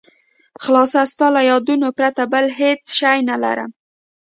خلاصه ستا له یادونو پرته بل هېڅ شی نه لرم.